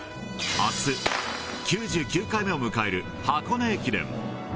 あす、９９回目を迎える箱根駅伝。